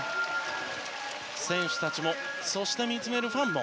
選手たちもそして見つめるファンも